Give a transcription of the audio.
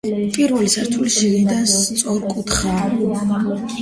პირველი სართული შიგნიდან სწორკუთხაა.